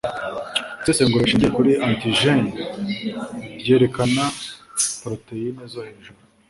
Isesengura rishingiye kuri antigen ryerekana poroteyine zo hejuru